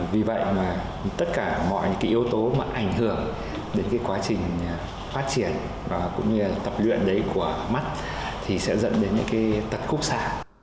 vì vậy mà tất cả mọi những cái yếu tố mà ảnh hưởng đến cái quá trình phát triển và cũng như là tập luyện đấy của mắt thì sẽ dẫn đến những cái tật khúc xạ